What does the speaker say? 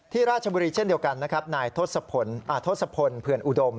ราชบุรีเช่นเดียวกันนะครับนายทศพลเผื่อนอุดม